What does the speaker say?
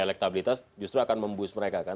elektabilitas justru akan memboost mereka kan